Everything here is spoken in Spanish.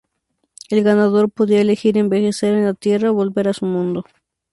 El ganador podía elegir envejecer en la Tierra o volver a su mundo.